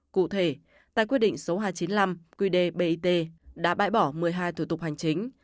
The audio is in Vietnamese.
cụ thể tại quyết định số hai trăm chín mươi năm qd bit đã bãi bỏ một mươi hai thủ tục hành chính